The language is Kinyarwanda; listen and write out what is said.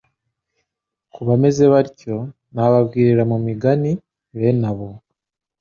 Ku bameze batyo, ntababwirira mu migani. Bene abo,